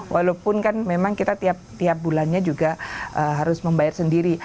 walaupun kan memang kita tiap bulannya juga harus membayar sendiri